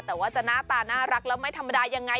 แต่ว่าจะหน้าตาน่ารักแล้วไม่ธรรมดายังไง